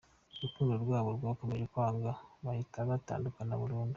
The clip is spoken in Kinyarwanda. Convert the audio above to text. Urukundo rwabo rwakomeje kwanga bahita batandukana burundu.